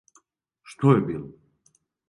Што је било?